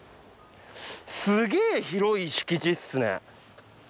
すげえ広い敷地っすね。